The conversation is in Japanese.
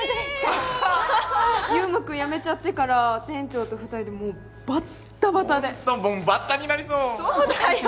もう祐馬くん辞めちゃってから店長と二人でもうバッタバタでホントもうバッタになりそうそうだよ